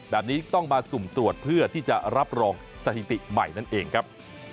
แบบนี้ต้องมาสุ่มตรวจเพื่อที่จะรับรองสถิติใหม่นั่นเองครับ